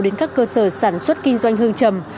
đến các cơ sở sản xuất kinh doanh hương trầm